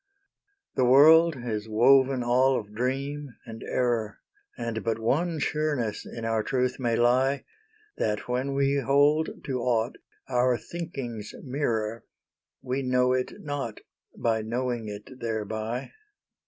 The world is woven all of dream and error And but one sureness in our truth may lie— That when we hold to aught our thinking's mirror We know it not by knowing it thereby.